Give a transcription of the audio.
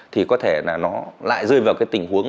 thì có thể là nó lại rơi vào cái tình huống